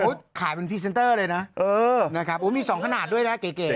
ขายเป็นพรีเซนเตอร์เลยนะเออนะครับโอ้มีสองขนาดด้วยนะเก๋